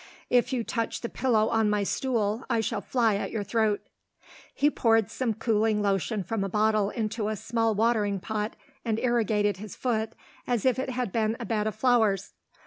"If you touch the pillow on my stool, I shall fly at your throat." He poured some cooling lotion from a bottle into a small watering pot, and irrigated his foot as if it had been a bed of flowers.